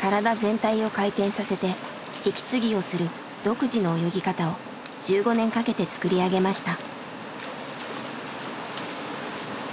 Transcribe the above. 体全体を回転させて息継ぎをする独自の泳ぎ方を１５年かけて作り上げました。